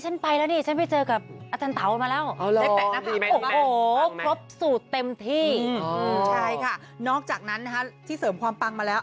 ใช่ค่ะนอกจากนั้นที่เสริมความปังมาแล้ว